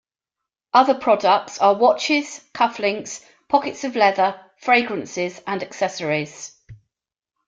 Other products are watches, cufflinks, pockets of leather, fragrances and accessories.